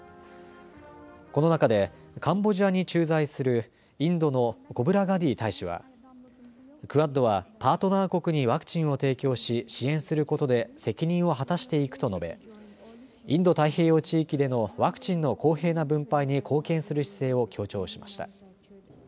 この中でカンボジアに駐在するインドのコブラガディー大使はクアッドはパートナー国にワクチンを提供し支援することで責任を果たしていくと述べインド太平洋地域でのワクチンの公平な分配に貢献する姿勢を強調しました。